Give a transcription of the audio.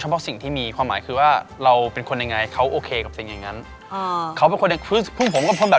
ไม่ใช่ว่าสมมุติตอนนี้เป็นแฟนเจมส์